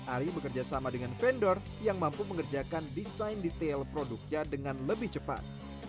ari bekerja sama dengan vendor yang mampu mengerjakan desain detail produknya dengan lebih cepat